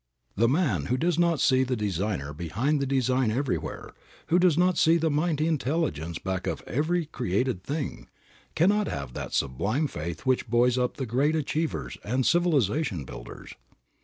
The man who does not see the Designer behind the design everywhere, who does not see the mighty Intelligence back of every created thing, cannot have that sublime faith which buoys up the great achievers and civilization builders.